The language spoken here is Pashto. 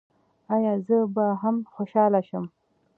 ایا زه به هم خوشحاله شم؟